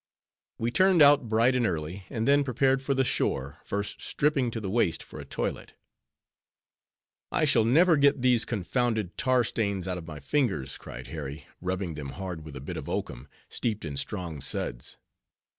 We turned out bright and early, and then prepared for the shore, first stripping to the waist, for a toilet. "I shall never get these confounded tar stains out of my fingers," cried Harry, rubbing them hard with a bit of oakum, steeped in strong suds.